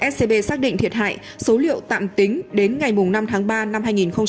scb xác định thiệt hại số liệu tạm tính đến ngày năm tháng ba năm hai nghìn hai mươi